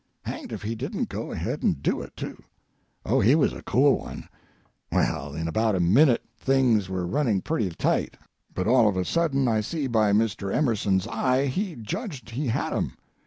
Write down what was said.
Hang'd if he didn't go ahead and do it, too! Oh, he was a cool one! Well, in about a minute things were running pretty tight, but all of a sudden I see by Mr. Emerson's eye he judged he had 'em.